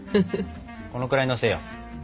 このくらいのせよう。